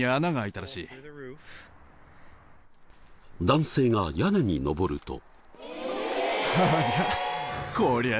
男性が屋根に登ると。